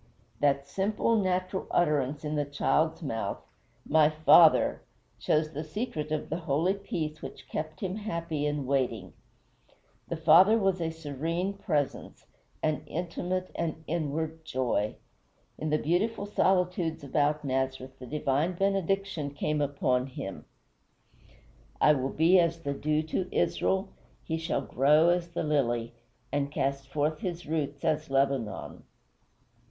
That simple, natural utterance in the child's mouth "My Father" shows the secret of the holy peace which kept him happy in waiting. The Father was a serene presence, an intimate and inward joy. In the beautiful solitudes about Nazareth the divine benediction came down upon him: "I will be as the dew to Israel: He shall grow as the lily, And cast forth his roots as Lebanon."